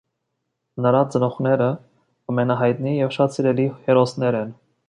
Նրա ծնողները ամենահայտնի և շատ սիրելի հերոսներ են։